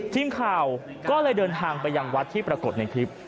ทีมข่าวก็เลยเดินทางไปยังวัดที่ปรากฏในคลิป